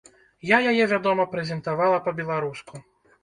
Я яе, вядома, прэзентавала па-беларуску.